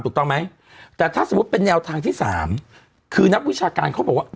ถูกต้องไหมแต่ถ้าสมมุติเป็นแนวทางที่สามคือนักวิชาการเขาบอกว่า